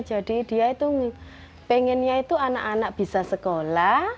jadi dia itu pengennya itu anak anak bisa sekolah